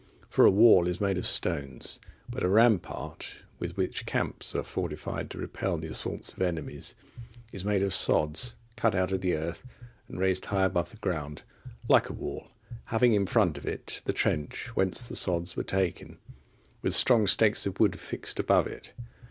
(44) For a wall is made of stones, but a rampart, with which camps are fortified to repel the assaults of enemies, is made of sods, cut out of the earth, and raised high above the ground, like a wall, having in front of it the trench whence the sods were taken, with strong stakes of wood fixed above it.